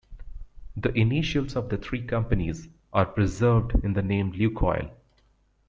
The initials of the three companies are preserved in the name Lukoil.